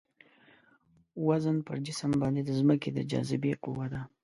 وزن پر جسم باندې د ځمکې د جاذبې قوه ده.